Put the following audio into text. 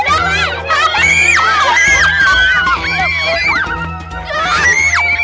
sebaiknya kalian menyerahkan diri